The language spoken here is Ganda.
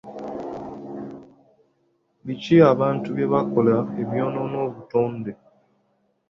Biki abantu bye bakola ebyonoona obutonde?